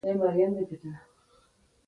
سندره د مینې داستان دی